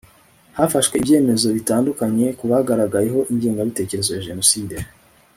hafashwe ibyemezo bitandukanye ku bagaragayeho ingengabitekerezo ya jenoside